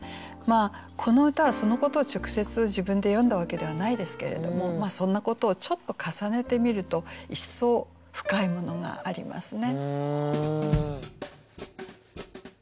この歌はそのことを直接自分で詠んだわけではないですけれどもそんなことをちょっと重ねてみると一層深いものがありますね。